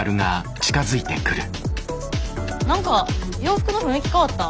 何か洋服の雰囲気変わった？